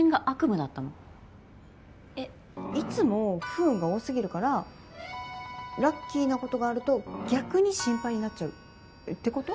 いつも不運が多すぎるからラッキーなことがあると逆に心配になっちゃうってこと？